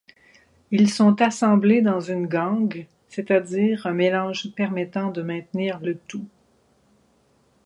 Ils sont assemblés dans une gangue, c'est-à-dire un mélange permettant de maintenir le tout.